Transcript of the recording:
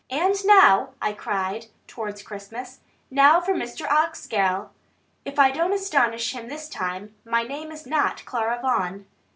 "And now," I cried towards Christmas, "now for Mr. Oxgall; if I don't astonish him this time, my name is not Clara Vaughan!"